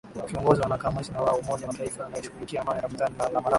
wakiongozwa na kamishna wa umoja mataifa anayeshukilia amani ramtani lamrama